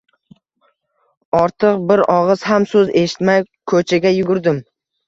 Ortiq bir og`iz ham so`z eshitmay, ko`chaga yugurdim